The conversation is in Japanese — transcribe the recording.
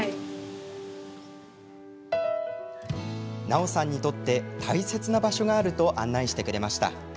奈緒さんにとって大切な場所があると案内してくれました。